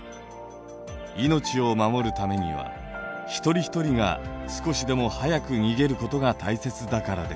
命を守るためには一人一人が少しでも早く逃げることが大切だからです。